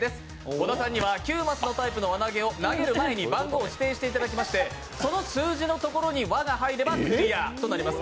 小田さんには９マスの輪投げで番号を指定していただきましてその数字のところに輪が入ればクリアとなります。